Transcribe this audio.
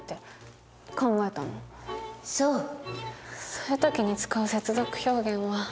そういう時に使う接続表現は。